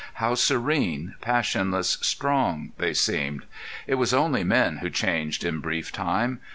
How serene, passionless, strong they seemed! It was only men who changed in brief time.